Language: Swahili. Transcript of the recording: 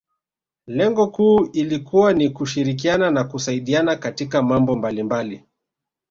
Lengo kuu ilikuwa ni kushirikiana na kusaidiana katika mambo mbalimbali